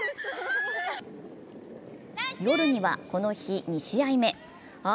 夜にはこの日２試合目。